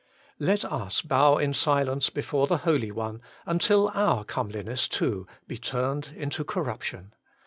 Let us bow in silence before the Holy One, until our comeliness too be turned into corruption.